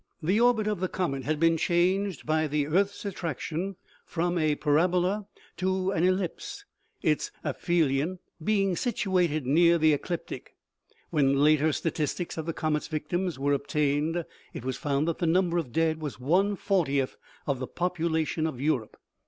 The orbit of the comet had been changed by 184 OMEGA. the earth's attraction from a parabola to an ellipse, its aphelion being situated near the ecliptic. When later statistics of the comet's victims were obtained, it was found that the number of the dead was one fortieth of the population of Europe.